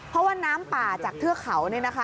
เพราะว่าน้ำป่าจากเทือกเขา